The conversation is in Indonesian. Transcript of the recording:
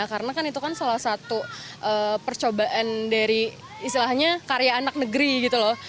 karena kan itu kan salah satu percobaan dari istilahnya karya anak negeri gitu loh